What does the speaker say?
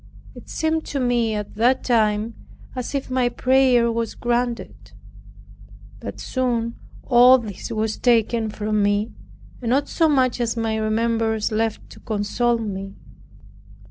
It seemed to me at that time as if my prayer was granted. But soon all this was taken from me, and not so much as any remembrance left to console me.